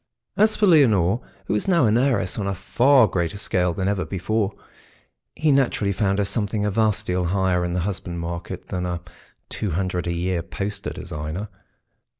As for Leonore, who was now an heiress on a far greater scale than ever before, he naturally found her something a vast deal higher in the husband market than a two hundred a year poster designer.